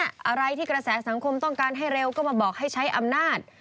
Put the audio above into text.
อะไรที่กระแสสังคมต้องการให้เร็วก็มาบอกให้ใช้อำนาจ